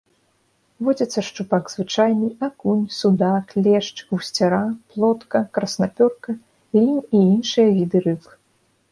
Водзяцца шчупак звычайны, акунь, судак, лешч, гусцяра, плотка, краснапёрка, лінь і іншыя віды рыб.